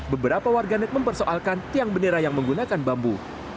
beberapa warganet mempersoalkan tiang bendera yang menggunakan bambu